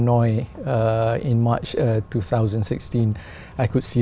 tôi muốn xem